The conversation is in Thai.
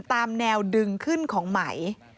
ตามแนวดึงขึ้นของไหม